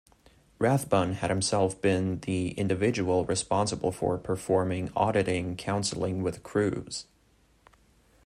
Rathbun had himself been the individual responsible for performing auditing counseling with Cruise.